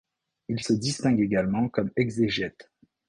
Il se distingue également comme exégète.